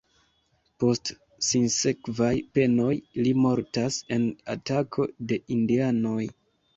Post sinsekvaj penoj, li mortas en atako de indianoj.